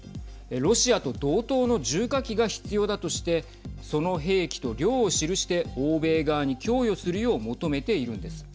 ロシアと同等の重火器が必要だとしてその兵器と量を記して欧米側に供与するよう求めているんです。